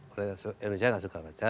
orang indonesia gak suka baca